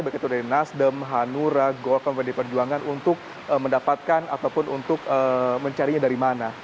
baik itu dari nasdem hanura golkar dan perjuangan untuk mendapatkan ataupun untuk mencarinya dari mana